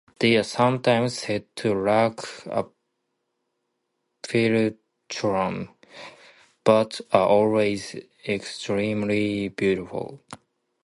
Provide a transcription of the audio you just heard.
They are sometimes said to lack a philtrum, but are always extremely beautiful.